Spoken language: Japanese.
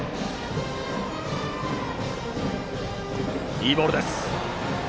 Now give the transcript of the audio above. いいボールでした。